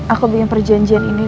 aku bikin perjanjian ini